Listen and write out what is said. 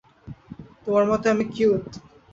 তোমার মতে আমি কিউট।